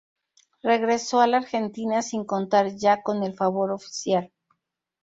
Regresó a la Argentina sin contar ya con el favor oficial.